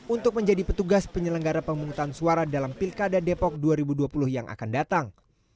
untuk menjadi petugas penyelenggara pemungutan suara dalam pilkada depok dua ribu dua puluh yang akan datang